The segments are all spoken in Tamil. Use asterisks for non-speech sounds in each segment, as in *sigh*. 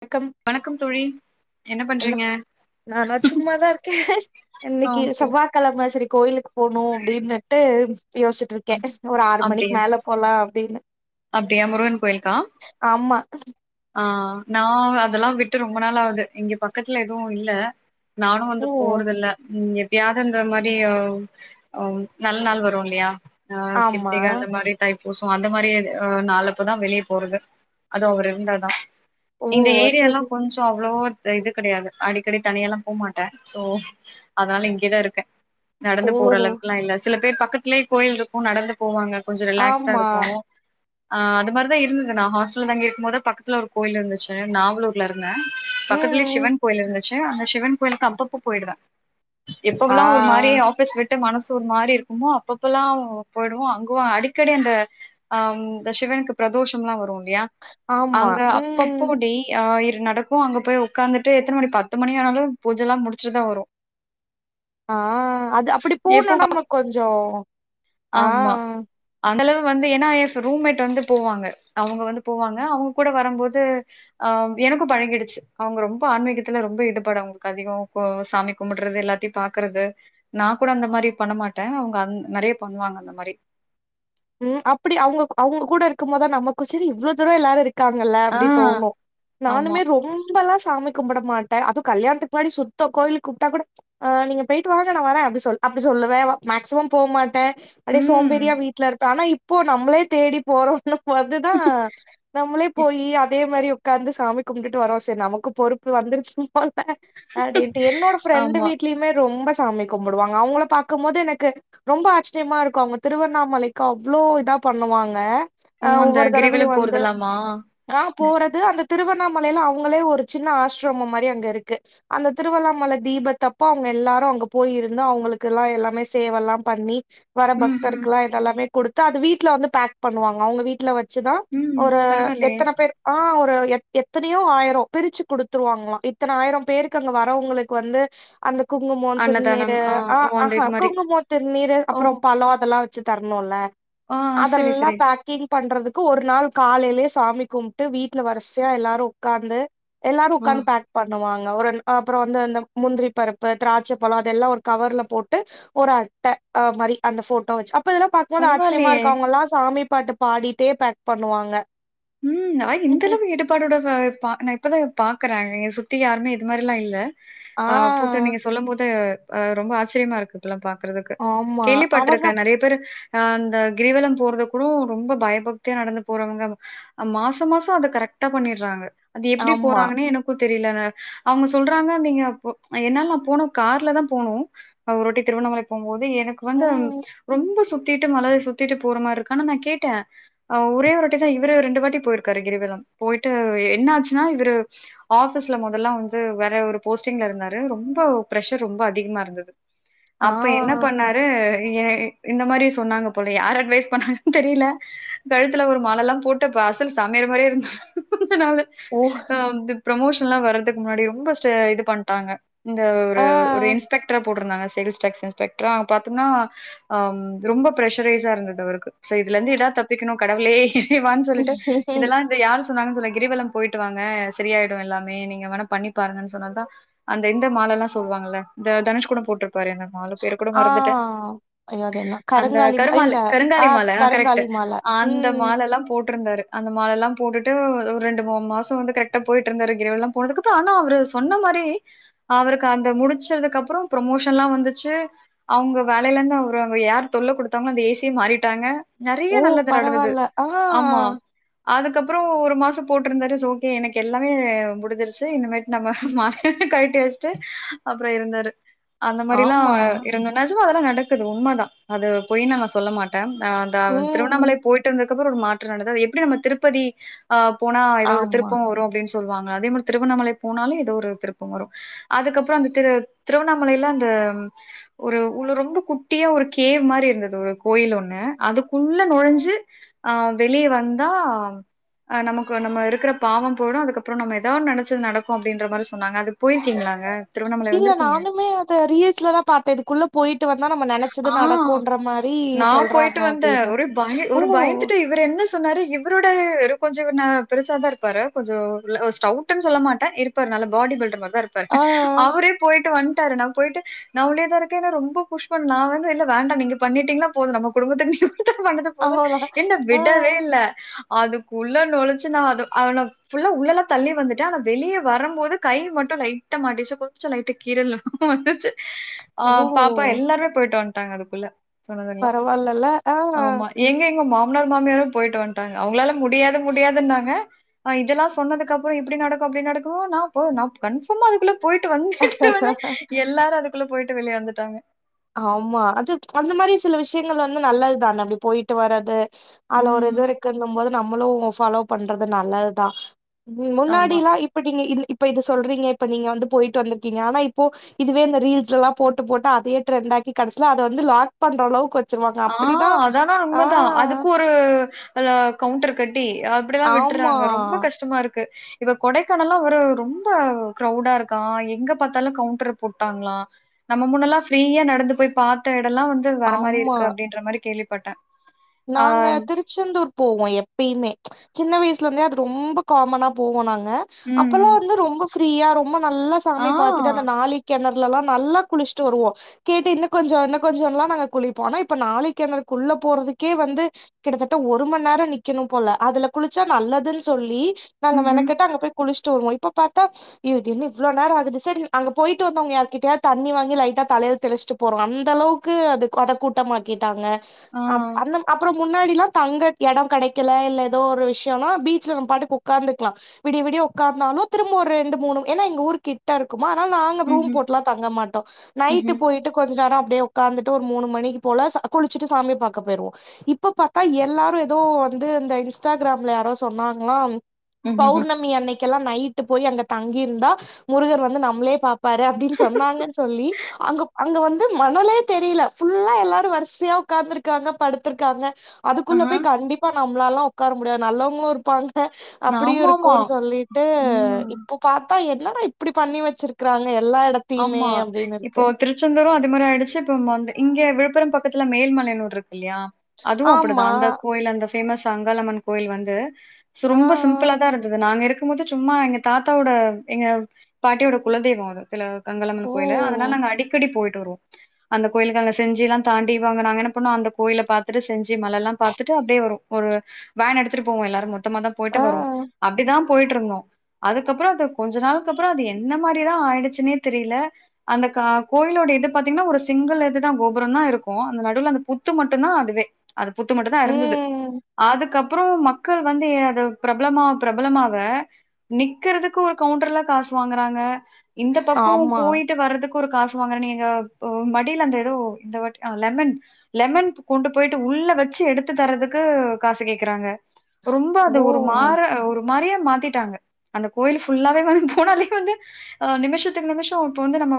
வணக்கம் என்ன நானா சும்மாதான் இருக்கேன் ஆ இன்னைக்கு ஓகே செவ்வா கிழம சரி கோயிலுக்கு போகனும் அப்டின்னுட்டு யோசிட்டு இருக்கேன் ஒரு ஆறு மணிக்கு அப்டியா மேல போலாம் அப்டின்னு அப்டியா முருகன் ஆமா *unintelligible* ஆஹ் நான் அதெல்லாம் விட்டு ரொம்ப நாள ஆவுது இங்க பக்கத்துல எதுவும் இல்ல நானும் வந்து ஓ போறதில்ல *unintelligible* இந்த மாதிரி நல்ல நாள் வரும் இல்லையா ஆஹ் ஆமா கிர்த்திக அந்த மாதிரி டைப் பூசம் அந்த மாதிரி் நாளப்பதான் வெளியே போறது அதுவும் அவர் இருந்தா *unintelligible* ஓ இந்த சரி ஏரியல்லாம் கொஞ்சம் அவ்ளோ *unintelligible* கிடையாது அடிக்கடி தனியா எல்லாம் போமாட்டேன் சோ அதனால இங்கதான் இருக்கேன் ஓ நடந்து போற அளவுக்குல்லாம் இல்ல சில பேர் பக்கத்துலயே கோயில் இருக்கும் நடந்து போவாங்க கொஞ்சம் ரிலாக்ஸ்டா ஆமா இருக்கும் அது மாதிரிதான் இருந்தது நான் ஹாஸ்டல தங்கி இருக்கும் போது பக்க- ஒரு கோயில் இருந்துச்சு நாவலூர்ல இருந்- பக்கத்துல ம் சிவன் கோயில் இருந்து அந்த சிவன் கோயிலுக்கு அப்பப்போ போயிடுவேன் எப்ப ஆ எல்லாம் ஒரு மாதிரி ஆபீஸ் *unintelligible* மனசு ஒரு மாதிரி இருக்குமோ அப்பப்பல்லாம் போயிடுவோம் அங்க அடிக்கடி அந்த அஹ் இந்த சிவனுக்கு பிரதோஷம் எல்லாம் வரும் *unintelligible* ஆமா அங்க ம் அப்பப்போ *unintelligible* அஹ் நடக்கும் அங்க போய் உட்காந்துட்டு எத்தனை மணி பத்து மணி ஆனாலும் பூஜெல்லாம் முடிச்சுட்டுதான் வரும் ஆஹ் அது அப்படி போனுனா எப்போ நம கொஞ்சம் ஆமா *unintelligible* வந்து ஏன்னா ரூம்மேட் வந்து போவாங்க அவுங்க வந்து போவாங்க அவுங்க கூட வரும்போது ஆஹ் எனக்கும் பழகிடுச்சு அவுங்க ரொம்ப ஆன்மீகத்துல ரொம்ப ஈடுபாடு அவுங்களுக்கு அதிகம் சாமி கும்பிட்டுறது எல்லாத்தையும் பாக்குறது நான் கூட அந்த மாரி பண்ணமாட்டேன் அவங்க அந் நிறைய பண்ணுவாங்க அந்த மாரி உம் அப்படி அவங்க அவங்க கூட இருக்கும் போதான் நமக்கும் சரி இவ்வளவு தூரம் எல்லாரும் இரு- க்காங்கல்ல ஆ. அப்படி தோணும் ஆமா. நானுமே ரொம்பல்லாம் சாமி கும்பிட மாட்டேன் அதுவும் கல்யாணத்துக்கு முன்னாடி சுத்த கோயிலுக்கு கூப்பிட்டா கூடஹ் நீங்க போயிட்டு வாங்க நான் வரேன் அப்படின்னு சொ அப்படி சொல்லுவேன் மேக்சிமம் போ மாட்டேன் அ சோம்பேறியா ம். வீட் ஆனா இப்போ நம்மளே தேடி போறோம்ன்னும் வந்துதான் நம்மளே போயி அதே மாதிரி உக்காந்து சாமி கும்டுட்டு வரோம் சரி நமக்கு பொறுப்பு வந்துருச்சு *unintelligible* அப்படின்ட்டு என்னோட ஃப்ரெண்டு ஆமா. வீட்லயுமே ரொம்ப சாமி கும்பிடுவாங்க அவுங்கள பார்க்கும் போது எனக்கு ரொம்ப ஆச்சரியமா இருக்கும் அவுங்க திருவண்ணாமலைக்கு த அவ்ளோ இதா பண்ணுவாங்க ஓ! ஆஹ் அந்த ஒவ்வொரு தடவையும் கிரிவலம் வந்து போறதெல்லாமா? ஆஹ் போறது அந்த திருவண்ணாமலையில் அவங்களே ஒரு சின்ன ஆசிரம மாதிரி அங்கே இருக்கு அந்த திருவண்ணாமலை தீபத்தப்போ அவங்க எல்லாரும் அங்கே போயிருந்து அவங்களுக்கெல்லாம் எல்லாமே சேவைல்லாம் பண்ணி வர ம்ஹ்ம். பக்தர்க்குலா இதல்லாமே குடுத்து அது வீட்ல வந்து பேக் பண்ணுவாங்க அவ்ங்க வீட்ல வச் சி தா ம். ஒரு பரவாயில்லயே! எத்தன பேர் ஆ ஒரு எத் எத்தனயோ ஆயிரோ பிரிச்சு குடுத்துருவாங்களா இத்தன ஆயிர பேருக்கு அங்க வரவங்களுக்கு வந்து அந்தக் குங்குமோம் அன்னதானம். திருநீரு ஆ ஓ! அ அந்த ஹா இது மாரி. குங்குமோ திருநீரு ஓ! அப்புறோ பழ அதல்லா வ சி தர்ணுல்ல ஆ சரி, அதல்லா சரி. பேக்கிங் பண்றதுக் கு ஒரு நாள் காலலயே சாமி கும்ட்டு வீட்ல வரிசியா எல்லாரு உக்காந்து எல்லாரு ஆ உக்காந்து பேக் பண்ணுவாங் க ஒரு அப்றோ வந்து அந்த முந்திரி பருப்பு த்ராச்சபழ அதெல்லா ஒரு கவர்ல போட்டு ஒரு அட்ட மாரி அந்த ஃபோட்டோ வச்சி அப்ப இதெலா மோது ஆச்சரியமா பரவாயில்லயே! இருக்க அவங்கல்லா சாமி பாட்டு பாடிட்டே பேக் பண்ணுவாங்க ம் ஆனா இந்தளவு ஈடுபாடோட ச பா நா இப்பதா பாக் கற என சுத்தி யாருமே இது மாரிலா இல்ல ஆ அ பூத்து நீங்க சொல்லம் போது ஆ ரொம்ப ஆச்சிரியமா இருக்கு இப்பல்லா பாக் கறதுக்கு ஆமா அவங்க கேள்விப்பட்ருக்க நெறைய பேரு ஆ அந்த கிரிவலம் போறது கூடு ரொம்ப பயபக்தியா நடந்து போறவங்க மாச மாச அத கரெக்ட்டா பண்ணிர்றாங்க அதெப்டி ஆமா போறாங்கனே எனக்குத் தெரிலங்க அவங்க சொல்றாங்க நீங்க போ என்னால நா போனோ கார்லதா போனோ ஆ ஒருவாட்டி திருவண்ணாமலைக் போம்போது எனக்கு வந்து ம் ரொம்ப சுத் தீட்டு மலய சுத்திட்டு போற மார் இருக்கு ஆனா நா கேட்டன் அ ஒரே ஒருடட்டடி இவரு ரெண்டு வாட் டி போயிருக்காரு கிரிவல போய்ட்டு என்னாச்சின்னா இவரு ஆஃபீஸ்ல மொதல்லா வந்து வேற ஒரு போஸ்டிங்ல இருந்தாரு ரொம்போ ஃரெஷர் ரொம்ப அதிக்மா இருந்துது ஆ அப்ப என்ன பண்ணாரு ஏ இந்த மாரி சொன்னாங்க போல யார் அட்வய்ஸ் பண்ணாங்கன்னு தெரிய்ல கழுத்துல ஒரு மலல்லா போட்டு பாஸ் சாமியாரு மாரி இருந்தா து நாலு ஓ அ ப்ரமோஷன்ல்லா வர்றதுக்கு முன்னாடி ரொம்ப ஸ்டே இது பண்ட்டாங்க இந்த ஒரு ஆ ஒரு இன்ஸ்பெக்ட்ரா போட்ருந்தாங்க சேல்ஸ் டெக் இன்ஸ்பெக்ட்றா பாத்தம்னா ஆம் ரொம்ப ப்ரெஷரைஸா இருந்தது அவருக்கு சோ இதுல இருந்து எதாவ் தப்பிக்கணு கடவ்ளே தி வான் சொல்லிட்டு இதல்லா இந்த யாரு சொன்னாங்கனு தெர்ல கிரிவலம் போயிட்டு வாங்க சரியாயிடு எல்லாமே நீங்க வேணா பண்ணி பாருங்கன்னு சொன்னதா அந்த இந்த மாலல்லா சொல்வாங்கல்ல இந்த தனுஷ் கூடப் போட்ரு பாருங்க மால பேர் கூட ஆ மறந்துட்டே ஐயோ அது என்ன அந்த கருங்காலி ம கருமா இல்ல ஆ கருங்காலி மால கரெக்ட் கருங்காலி மால அந்த ம் மாலல்லா போ ட்ருந்தாரு அந்த மாலல்லா போட்டுட்டு ஒரு ரெண்டு மூணு மாசோ வந்து கரெக்டா போய்ட்டு இருந்தாரு கிரிவலோல்லா போனதுக்கப்ரோ ஆனா அவரு சொன்ன மாரி அவருக்கு அந்த முடிச்சதுக்கு அப்ரோ ப்ரொமோஷன்ல்லா வந்துச்சு அவங்க வேலைல இருந்து அவரு அங்க யார் தொல்ல குடுத்தாங்ளோ அந்த ஏசி மாறி விட்டாங்க நெறைய ஓ நல்லது நடந்தது பரவால்ல ஆ ஆமா அதுக்கப்ரோ ஒரு மாசோ போட்டுருந்தாரு சோ ஓகே எனக்கு எல்லாமே முடிஞ்சிருச்சு இனிமேட்டு நம்ம மாலய்ய கழட்டி வச்சுட்டு அப்ரோ இருந்தாரு அந்த மாரிலா ஆமா இருந்தோனா அதெல்லா நடக்குது உண்மை தா அது பொய்னு நா சொல்ல மாட்ட அ த திருவண்ணாமலை ம் போய்ட்டு வந்தது அதுகப்ரோ ஒரு மாற்றோ நடந்தது எப்டி நம்ம திருப்பதி ஆ போன ஏதோ ஒரு ஆமா திருப்போ வரு அப்டின்னு சொல் சொல்வாங்க அதே மாரி திருவண்ணாமலை போனாலு ஏதோ ஒரு திருப்போ வரு அதுக்கப்ரோ அந்த திரு திருவண்ணாமலைல அந்த ஒரு உள்ள ரொம்ப குட்டியா ஒரு கேவ் மாரி இருந்துது ஒரு கோயில் ஒண்ணு அதுக்குள்ள நுழஞ்சு அஹ் வெளிய வந் தா நமக்கு நம்ம இருக்ற பாவோ போய்டு அதுக்கப்ரோ நம்ம ஏதான்னு நெனச்சது நடக்கு அப்டின்ற மாதிரி சொன்னாங்க அது போய்ரிக்கீங்களா இல்ல நானுமே அத ரீல்ஸ்ல தா பாத்தே இதுக்குள்ள போய்ட்டு வந் தா நம்ம நெனைச்சது ஆ நடக்குன்ற மாரி நான் போயிட்டு சொல்றாங்க வந்தேன். அப்டின்னு ஓ சொன்னாரு இவரு என்ன சொன்னாரு இவரோட கொஞ்சோ இவரு பெருசா தா இருப்பாரு கொஞ்சோ உள்ள ஸ்டவ்டு சொல்ல மாட்டே இருப்பாரு நல்ல பாடி பில்டர் இருப்பாரு ஆ அவரே போய்ட்டு வந்துட் டாரு நா போய்ட்டு நான் உள்ளே தா இருக்க ரொம்ப புஷ் பண்ண நா வந்து இல்ல வேண்டா நீங்க பண்ணிட்டீங்ளா போது நம்ம குடும்பத்துக்கு நீ பண்ணது போது அவ்ளோதா என்ன ஆ விடவே இல்ல அதுக்குள்ள நொழிச்சு நா அதா ஃபுல்லா உள்ளல்லா தள்ளி வந்துட்டே ஆனா வெளியே வரு போது கை மட்டும் லைட்டா மாட்டிச்சு கொஞ்சோ லைட்ட கீரல் வந்துச்சு ஓ ஆஹ் பாப் பா எல்லாருமே போய்ட்டொ வந் டாங்க அதுக்குள்ள சொன்னதெல்லாம். பரவால்லல ஆஹ் மனாரு மாமியாரு போய்ட்டு வந்துட்டாங்க அவங்ளால முடியாது முடியாதுனாங்க இதெல்லா சொன்னதுக்கு அப்ரோ இப்டி நடக்கு அப்டி நடக்கு நா போ நா கன்ஃபார்ம அதுக்குள்ள பொய்ட்டு வந்துட்ட உடனே எல்லாரு அதுக்குள்ள பொய்ட்டு வெளியே வந்துட்டாங்க ஆமா அது அந்த மாரி சில விஷயங்கள் வந்து நல்லதுதான அப்டி போய்ட்டு வர்றது அதுல ஒரு ம். இது இருக்குன்னு போது நம்மளு ஃபாலோ பண்றது நல்லதுதா உ ஆமா. முன்னாடில்லா இப்ப நீங்க இப்ப இது சொல்றீங்க இப்ப நீங்க வந்து போய்ட்டு வந்திருக்கீங்க ஆனா இப்போ இதுவே இந்த ரீல்ஸ்லல்லா போட்டு போட்டு அதைய ட்ரெண்டாகி கடைசில அத வந்து லாக் பண்ற அளவுக்கு கொ ஆஹ் அதானா உண்மைதா அதுக்கு ஒரு *unintelligible* கவுண்டர் கட் டி அப்படிதா ஆமா விட்டுற்றாங்க ரொம்ப கஷ்டமா இருக் கு இப்ப கொடைக்கானல்லா ஒரு ரொம்ப க்ரௌடா இருக்கா எங்க பாத்தாலு கவுண்டர் போட்டாங்களா நம்ம முன்னெல்லா ஃப்ரீயா நடந்து போய் பாத்தா எப் ல்லா வந்து வேர மாரி இருக் ஆமா அப்டின்ற மாரி கேள்வி பட்டன் நாங்க திருச்செந்தூர் போவோம் எப்பயுமே சின்ன வய்ஷ்லிருந்தே அது ரொம்ப காமனா போவோ நாங்க அ ம். அப்பல்லா வந்து ரொம்ப ஃப்ரியா *unintelligible* ரொம்ப நல்லா சாமி பாத்துட்டு அந்த நாழிக் கெணர் லிலல்லா நல்லா குளிச்சிட்டு வருவோ கேட்டு இன்னு கொஞ்சோ இன்னு கொஞ்சோன்லா நாங்க குளிப்போ ஆனா இப்ப நாழிகெணருக்குள்ள போறதுக் கே வந்து கிட்டதட்ட ஒரு மணி நேர நிக்கணும் போல அதுல குளிச்சா நல்லதுன்னு சொல்லி நாங்க ம்ஹூ மெனகெட்டு அங்க போய் குளிச் டு வருவோ இப்ப பாத்தா யோ இது என்ன இவ்வளோ நேர ஆகுது சரி அங்க போய்ட்டு வந்துவங்க யாருகிட்டயாது தண்ணி வாங்கி லைட்டா தலையில தெளிச்சிட்டு போறோ அந்த அளவுக்கு அது அத கூட்டமாக்கிட்டாங்க ஆஹ் அப்புற முன்னாடில்லா தங்க இடம் கிடைக்கல இல்ல ஏதோ ஒரு விஷ்யம்னா பீச்ல நம்ம பாட்டுக்கு உக்காந்துக்கலா விடிய விடிய உக்காந்தாலு திரும்ப ஒரு ரெண்டு மூணு ஏன்னா எங்க ஊருகிட்ட இருக்கு குமா ஆதனால நாங்க ரூம் ம்ஹூ போட்டுல்லா தங்க மாட்டோ ம்ஹூ நைட்டு போயிட்டு கொஞ்ச நேர அப்டியே உக்காந்துட்டு ஒரு மூணு மணிக்கு போனா சா குளிச்சுட்டு சாமிய பாக் க போயிருவோ இப்ப பாத்தா எல்லாரு ஏதோ வந்து அந்த இன்ஸ்ட்டாகிராம்ல யாரோ சொன்னாங்களா ம்ஹூஹூ பௌர்ணமி அன்னைக் கெல்லா நைட்டு போய் அங்க தங்கியிருந்தா முருகர் வந்து நம்ளேயே பாப் பாரு அப்டின்னு சொன்னாங்கன்னு சொல்லி அங்க அங்க வந்து மணலே தெரியல ஃபுல்லா எல்லாரு வரிசையா உக்காந்துருக் காங்க படுத்திருக்காங்க அதுக்குள்ள ஆஹா போய் கண்டிப்பா நம்மளால்லா உக்கார முடியாது நல்லவங்களு இருப்பாங்க அப்படியு ஆமாமா இருக்குன்னு சொல்லீட்டு ம் இப்போ பா ட்டா என்னடா இப்படி பண்ணி வச்சிருக்குறாங்க ஆமா இப்போ திருச்செந்தூரு அது மாரி ஆயிடுச்சு இப்ப மந்தே இங்க விழுப்புரம் பக்கத்துல மேல்மலையனூர் இருக்கு இல்லையா அதுவு அப்படிதா ஆமா அந்த கோயில் அந்த ச ஃபேமஸ் அங்காளம்மன் கோயில் வந்து ஆ ரொம்ப சிம்பிளா தா இருந்தது நாங்க இரு இருக்கும் போது சும்மா எங்க தாத்தாவோட எங்க பாட்டியோட குலதெய்வம் அது அதுல அங்காலம்மன் ஓ கோயிலு அதனால நாங்க அடிக்கடி போயிட்டு ட்டு வருவோ அந்த கோயிலுக்கு அங்க செஞ்சிலாம் தாண்டி அங்க நாங்க என்ன பன்னோ அந்த கோயில பாத்துட்டு செஞ்சி மலலாம் பாத்துட்டு அப்படியே வரும் ஒரு வேன் எடுத்துட்டு போவோம் எல்லாரும் மொத்தமா தான் போயிட்டு ஆ வருவோம் அப்படிதான் போயிட்டிருந்தோம் அதுக்கப்பறம் அது கொஞ்ச நாள்க்கு அப்புறம் அது எந்த மாரி தான் ஆயிடுச்சுன்னே தெரியில அந்த கா கோயிலோட இது பாத்தீங்கன்னா ஒரு சிங்கிள் இதுதான் கோபுரந்தான் இருக்கும் அந்த நடுவுல அந்த புத்து மட்டும்தான் அதுவே அது புத்து மட்டும் தான் இருந்தது ம் அதுக்கப் ப்பறம் மக்கள் வந்து அ பிரபலமா பிரபலமாவ நிக்கிறதுக்கு ஒரு கவுண்டர்ல காசு வாங்கறாங்க இந்த பக் கம் ஆமா போயிட்டு வர்றதுக்கு ஒரு காசு வாங்கறா நீங்க எங்க மடியில அந்த எதோ தவட் அஹ லெமன் லெமன் கொண்டு போயிட்டு உள்ள வச்சு எடுத்து தரதுக்கு காசு கேக்குறாங்க ரொம்ப அது ஓ ஒரு மாறா ஒரு மரியே மாத்திட்டாங்க அந்த கோயில ஃபுல்லாவே வந்து போனாலே வந்து நிமிஷத் துக்கு நிமிஷம் இப்ப வந்து நம்ம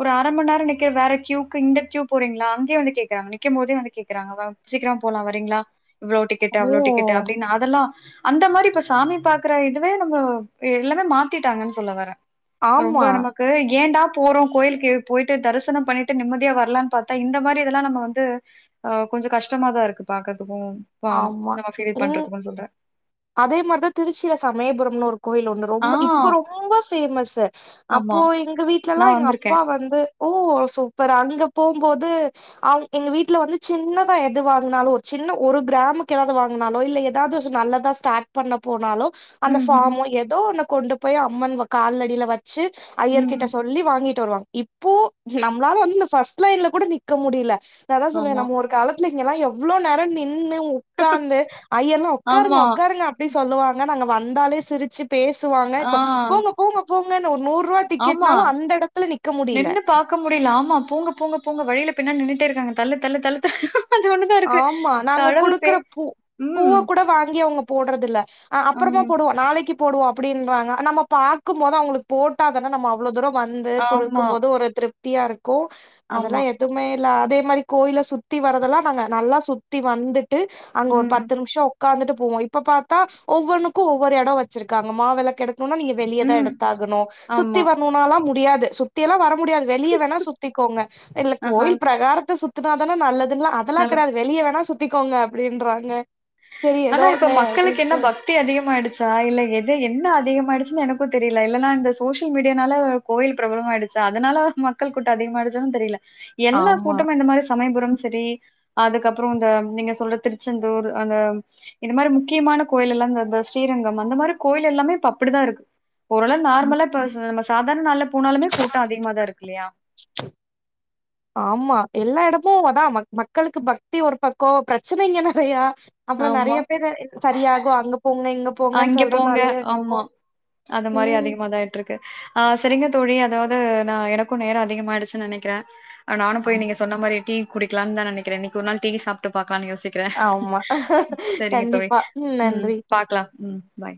ஒரு அர மண் நேரம் நிக்கிற வேற கியூக்கு இந்த கியூ போறீங்களா அங்கேய வந்து கேக்குறாங்க நிற்கும் போதே வந்துேக்குறாங்க சீக்கிரமா போலாம் வரீங்களா இவ்ளோ டிக்கெட்டு ஓ அவ்ளோ டிக்கட்டு அப்டினு அதல்லாம் அந்த மாரி இப்ப சாமி பாக்குற இதுவே நம்ம எல்லாமே மாத்திட்டாங்கன்னு சொல்ல வரேன் ஆமா கு ஏண்டா போறோம் கோயிலுக்கு போயிட்டு தரிசனம் பண்ணிட்டு நிம்மதியா வரலான்னு பாத்தா இந்த மாரி இதெல்லாம் நம்ம வந்து ஆஹ் கொஞ்சம் கஷ்டமா தான் இருக்கு பாக்க ஆமா இங் சொல்றே அதே மாரிதான் திருச்சியில சமயபுரம்னு ஒரு கோயில் ஒன்னு ஆ ரொம்ப இப்ப ரொம்ப பேமஸு ஆமா அப்போ இங்க நா வீட்லல்லாம் எங்க வந்திருக்கே அப்பா வந்து ஓ சூப்பர் அங்க போம்போது அவுங் எங்க வீட்டுல வந்து சின்னதான் எது வாங்கினாலும் ஒரு சின்ன ஒரு கிராமக்கு ஏதாவது வாங்கினாலோ இல்லலை ஏதாவது நல்லதா ஸ்டார்ட் பண்ண போனாலோ அந்த ம் ம் ஃபார்மோ ஏதோ ஒண்ணு போய் அம்மான் காால்லடில வச் அவ ஐயர்கிட்ட ம் சொல்லி வாங்கிட்டு வருவாங்க இப்போ நம்ளால வந்து இந்த ஃபர்ஸ்ட் லைன்ல கூட நிக்க முடில நான் அதான் சொல்வேன் ஆமா நம்ம ஒரு காலத்து துல இங்களா எவ்ளோ நேரம் நின் ன்னு உக்காந்து ஐயெர்லாம் உக்காருங்க ஆமா உக்காருங்க அப்டி சொல்லுவாங்க நாங்க வந்தாலே சிரிச்சு பேசுவாங்க ஆ இப்ப போங்க போங்க போங்க ஒரு நூறு ஆமா நின்னு பாக்க முடியல ஆமா போங்க போங்க போங்க வழியில பின்னாட் நின்னுட்டே இருக்காங்க தள்ளு தள்ளு தள்ளு தள்ளு அது ஒண்ணுதா இருக்கு ஆம்மா நாங்க கடவுள் பே குடுக்குற பு ம் பூவ கூட வாங்கி அவங்க போடுறதில்ல ம் அப்புறமா போடுவோ நாளைக்கு போடுவோம் அப்படின்றாங்க நம்ம பாக்கும் போது அவங்களுக்கு போட்டா தானே நம்ம அவ்ளோ தூரோ வந்து ஆமா கொடுக்கும்போது ஒரு திருப் தியா இரு கோ அதெல்லா ஆமா எதுவுமே இல்ல அதே மாதிரி கோயில சுத்தி வரதெல்லா நாங்க நல்லா சுத்தி வந்துட் டு அங்க ஒரு ம் பத்து நிமிஷம் உட்காந்துட்டு போவோம் இப்ப பாத்தா ஒவ்வொன்னுக்கும் ஒவ்வொரு எடம் வச்சிருக்காங்க மா வெளக்கு எடு க்குனோனா நீங்க வெளியேதா ம் எடுத்தாகணும் சுத்தி ஆமா வரணுனாலா முடியாது து சுத்தி எல்லா வர முடியாது வெளியே வேணா சுத்திக்கோங்க இல்ல ஆஹா கோயில் பிரகாரத்த சுத் அதனாலே தானே நல்லதுன்னு அத நல்லது கிடாது வெளிய வேணா சுத் த்திக்கோங்க அப்படின்றாங்க ஆனா இப்ப மக்களுக்கு என்ன பக்தி அதிகமாயிடுச்சா இல்ல எது என்ன அதிகம் கடைசியிலே எனக்கும் தெரியல இல்லேனா இந்த சோசியல் மீடியானாலே கோயில் பிரபலமாயிடுச்சா அதனால மக்கள் கூட்டம் அதிகமாயிடுச்சா தெரில எல்லா ஆமா கூட்டமும் இந்த மாரி சமயபுரம் செரி அதுக்கப்புறம் இந்த நீங்க சொல்ற திருச்செந்தூர் அந்த இந்த மாரி முக்கியமான கோயில் எல்லா இந் இந்த ஸ்ரீரங்கம் அந்த மாரி கோயில் எல்லாமே இப்ப அப்படித்தா இருக்கு ஓரளவு ம், நார்மலா இப்போ ச மா ச சாதாரண நாள்லே போனாலுமே கூட்டம் அதிகமாதா இருக்கு இல்லையா மு அதா மக் மக்களுக்கு பக்தி ஒரு பக்கோம் பிரச்சனைங்க நிறையா அப்புறம் ஆமா நிறைய பேரு சரியாகு அங்க போங்க இங்க போங்கன்னு அங்கே போங்க சொல்றதாலயோ ஆமா என்னவோ அந்த மாரி ம் அதிகம தா ஆயிட்டிருற்கு ஆஹ் செரி இல்ல தோழி அதாவது நா எனக்கு நேரம் அதிகமாய்டுச்சுனு நினைக்கிறேன் ஆ நானு ஆமா போய் நீங்க சொன்ன மாரி டீ குடிக்கலான்தா நினைக்கிறேன் இன்னிக்கி ஒரு நாள் டீ சாப்ட்டு பார்ப்போம் கானு யோசிக்கிறே ஆமா. செரிங்க தோழி கண்டிப்பா ம் உம் நன்றி பாக்கலாம் உம் பை